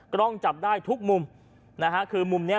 กล้องจับได้ทุกมุม